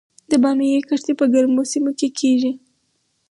د بامیې کښت په ګرمو سیمو کې کیږي؟